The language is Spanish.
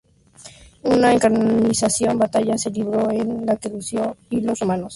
Una encarnizada batalla se libró, en la que Lucio y los romanos fueron derrotados.